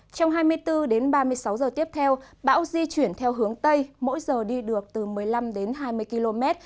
trong hai mươi bốn đến ba mươi sáu giờ tiếp theo bão di chuyển theo hướng tây mỗi giờ đi được từ một mươi năm đến hai mươi km